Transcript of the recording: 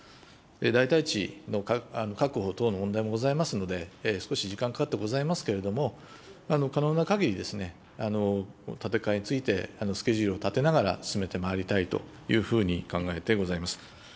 代替地の確保等の問題もございますので、少し時間かかってございますけれども、可能なかぎり、建て替えについて、スケジュールを立てながら進めてまいりたいというふうに考えてございます。